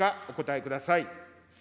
お答えください。